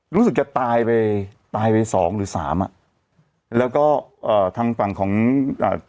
รู้สึกจะตายไปตายไปสองหรือสามอ่ะแล้วก็เอ่อทางฝั่งของอ่า